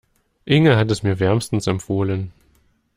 Inge hat es mir wärmstens empfohlen.